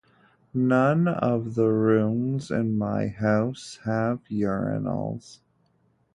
None of the rooms in my house have urinals.